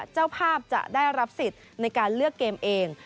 เจ้าภาพจะได้รับสิทธิ์ในการเลือกเกมเอง